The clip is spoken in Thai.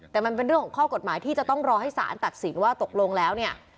แต่มันเป็นเรื่องของข้อกฎหมายที่จะต้องรอให้สารตัดสินว่าตกลงแล้วเนี่ย